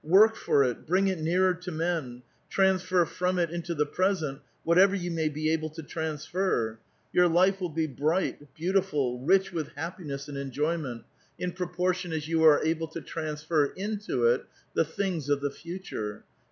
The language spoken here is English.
work for it ! bring it nearer to men ! transfer from it into the present whatever you may be able to transfer. Your life will be bright, beautiful, rich with happiness and enjoyment, in pro 388 A VITAL QUESTION. portion as yoii arc able to transfer into it the things of tlie future.